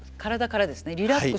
リラックスはい。